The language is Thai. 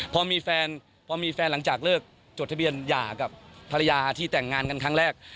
พอมีแฟนพอมีแฟนหลังจากเลิกจดทะเบียนหย่ากับภรรยาที่แต่งงานกันครั้งแรก